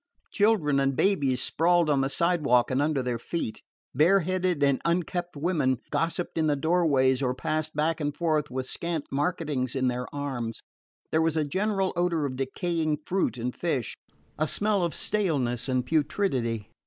Children and babies sprawled on the sidewalk and under their feet. Bareheaded and unkempt women gossiped in the doorways or passed back and forth with scant marketings in their arms. There was a general odor of decaying fruit and fish, a smell of staleness and putridity.